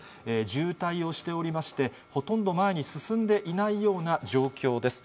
渋滞をしておりまして、ほとんど前に進んでいないような状況です。